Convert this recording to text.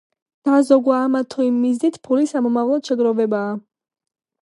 დაზოგვა ამა თუ იმ მიზნით ფულის სამომავლოდ შეგროვებაა